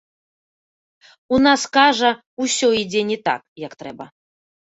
У нас, кажа, усё ідзе не так, як трэба.